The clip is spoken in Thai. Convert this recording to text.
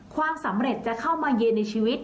ความสำเร็จจะเข้ามาเยือนในชีวิต